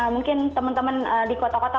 mungkin teman teman di kota kota